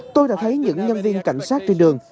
tôi đã thấy những nhân viên cảnh sát trên đường